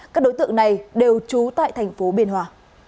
các đối tượng này đều trú tại thành phố biên hòa